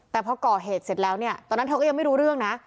แต่พอก่อเหตุเสร็จแล้วเนี่ยตอนนั้นเธอก็ยังไม่รู้เรื่องนะ